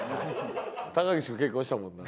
高岸も結婚したもんな。